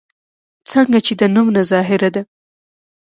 څنګه چې د نوم نه ظاهره ده